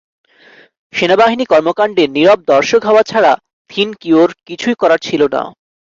সেনাবাহিনী কর্মকাণ্ডের নীরব দর্শক হওয়া ছাড়া থিন কিউর কিছু করার ছিল না।